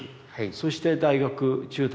そして大学中退。